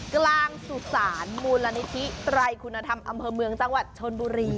กลางสุสานมูลนิธิไตรคุณธรรมอำเภอเมืองจังหวัดชนบุรี